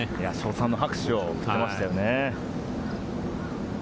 称賛の拍手を送ってましたよね。